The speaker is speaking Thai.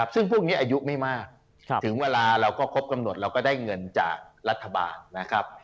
ซึ่งพวกนี้อายุไม่มากถึงเวลาเราก็ครบกำหนดเราก็ได้เงินจากรัฐบาลนะครับ